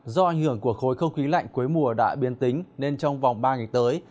do ảnh hưởng của khối không khí lạnh cuối mùa đã biên tính nên trong vòng ba ngày tới